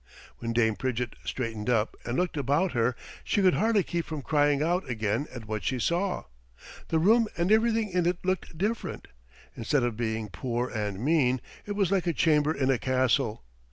When Dame Pridgett straightened up and looked about her she could hardly keep from crying out again at what she saw. The room and everything in it looked different. Instead of being poor and mean, it was like a chamber in a castle.